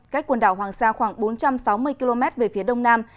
cách quần đảo hoàng sa khoảng bốn trăm sáu mươi km về phía đông nam